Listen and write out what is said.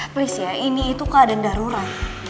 please ya ini itu keadaan darurat